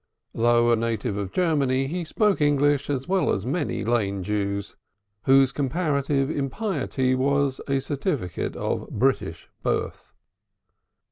Though a native of Germany, he spoke English as well as many Lane Jews, whose comparative impiety was a certificate of British birth.